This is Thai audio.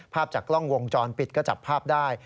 ภาพจากกล้องวงจรปิดก็จับภาพได้